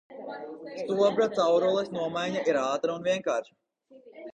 Stobra caurules nomaiņa ir ātra un vienkārša.